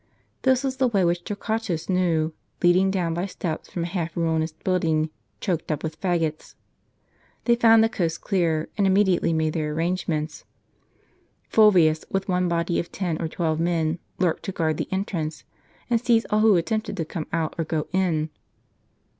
This was the way which Tor quatus knew, leading down by steps from a half ruinous building, choked up with faggots. They found the coast clear, and immediately made their arrangements. Fulvius, with one body of ten or twelve men, lurked to guard the entrance, and seize all who attempted to come out or go in.